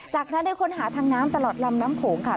จากนั้นได้ค้นหาทางน้ำตลอดลำน้ำโขงค่ะ